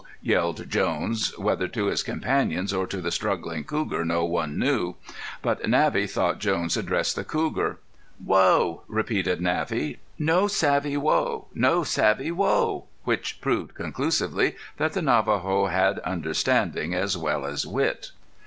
yelled Jones, whether to his companions or to the struggling cougar, no one knew. But Navvy thought Jones addressed the cougar. "Whoa!" repeated Navvy. "No savvy whoa! No savvy whoa!" which proved conclusively that the Navajo had understanding as well as wit.